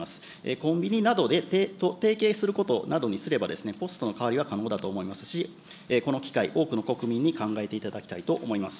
コンビニなどと提携することなどにすればポストの代わりは可能だと思いますし、この機会、多くの国民に考えていただきたいと思います。